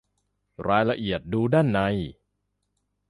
รายละเอียดดูด้านใน